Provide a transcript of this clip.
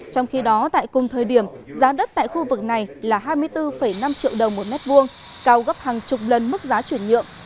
trong khi đó tại cùng thời điểm giá đất tại khu vực này là hai mươi bốn năm triệu đồng một mét vuông cao gấp hàng chục lần mức giá chuyển nhượng